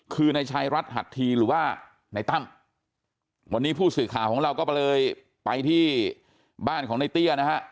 คือในชายรัฐหัดทีหรือว่าในตั้มวันนี้ผู้สื่อข่าวของเราก็เลยไปที่บ้านของในเตี้ยนะฮะ